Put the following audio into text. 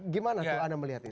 gimana tuh anda melihatnya